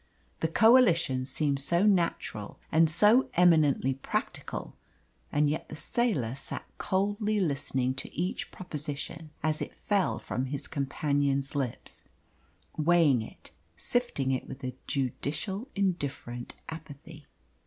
The coalition seemed so natural and so eminently practical, and yet the sailor sat coldly listening to each proposition as it fell from his companion's lips, weighing it, sifting it with a judicial, indifferent apathy.